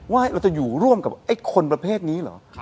ว่าเราจะอยู่ร่วมกับไอ้คนประเภทนี้เหรอ